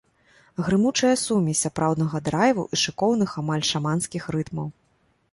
Грымучая сумесь сапраўднага драйву і шыкоўных, амаль шаманскіх рытмаў.